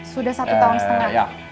sudah satu tahun setengah